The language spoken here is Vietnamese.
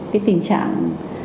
cái tình trạng